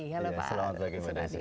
halo pak selamat pagi